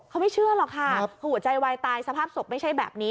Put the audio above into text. เขาไม่เชื่อหรอกค่ะหัวใจวายตายสภาพศพไม่ใช่แบบนี้